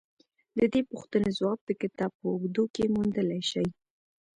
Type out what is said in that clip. د دې پوښتنې ځواب د کتاب په اوږدو کې موندلای شئ